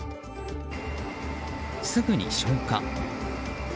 すぐに消火。